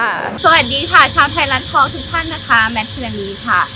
สวัสดีค่ะชาวไทยรัฐทองทุกท่านนะคะแมทพิรณีค่ะ